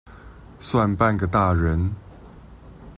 算半個大人